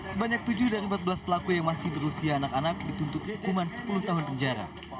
sebanyak tujuh dari empat belas pelaku yang masih berusia anak anak dituntut hukuman sepuluh tahun penjara